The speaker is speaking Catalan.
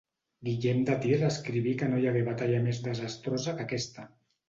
Guillem de Tir escriví que no hi hagué batalla més desastrosa que aquesta.